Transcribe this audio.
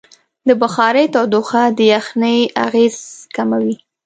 د بخارۍ تودوخه د یخنۍ اغېز کموي.